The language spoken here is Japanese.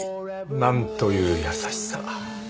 なんという優しさ。